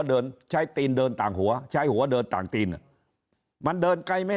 เดินใช้ตีนเดินต่างหัวใช้หัวเดินต่างตีนมันเดินไกลไม่